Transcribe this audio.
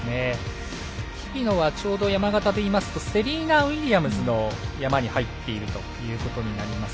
日比野はちょうど山型でいいますとセリーナ・ウィリアムズの山に入っているということになります。